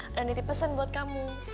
ada nanti pesen buat kamu